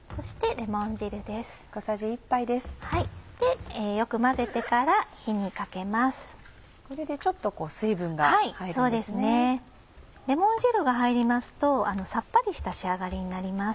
レモン汁が入りますとさっぱりした仕上がりになります。